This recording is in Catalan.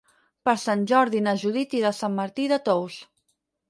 Per Sant Jordi na Judit irà a Sant Martí de Tous.